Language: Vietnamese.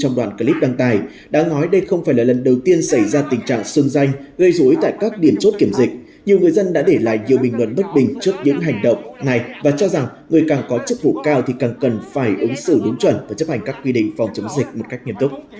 hãy đăng ký kênh để ủng hộ kênh của chúng mình nhé